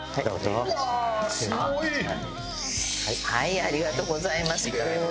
ありがとうございます。